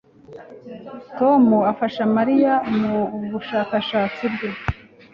Tom afasha Mariya mubushakashatsi bwe